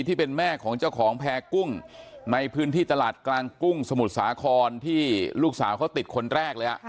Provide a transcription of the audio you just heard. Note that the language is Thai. ที่เป็นแม่ของเจ้าของแพร่กุ้งในพื้นที่ตลาดกลางกุ้งสมุทรสาครที่ลูกสาวเขาติดคนแรกเลย